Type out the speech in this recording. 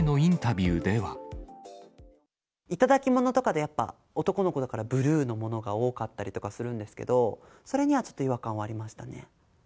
頂きものとかでやっぱ、男の子だからブルーのものが多かったりとかするんですけれども、それにはちょっと違和感はありましたね。